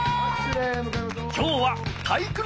今日は体育ノ